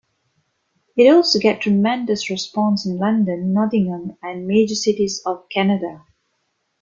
It also got tremendous response in London, Nottingham and major cities of Canada.